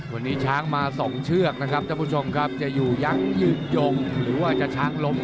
วันนี้ช้างมาส่งเชือกนะครับจะอยู่ยังยืดยงหรือว่าจะช้างล้ม